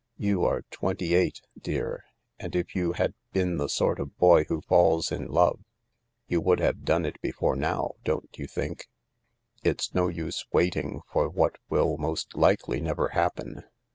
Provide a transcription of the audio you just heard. You are twenty eight, dear, and if you had been the sort of boy who falls in love you would have done it before now, doft't you think ? It's no use waiting for what will most likely never happen.